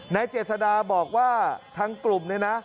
เจษดาบอกว่าทางกลุ่มเนี่ยนะ